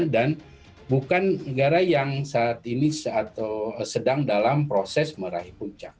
dan bukan negara yang saat ini sedang dalam proses meraih puncak